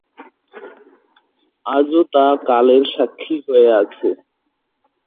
আজও তা কালের স্বাক্ষী হয়ে আছে।